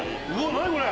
何これ⁉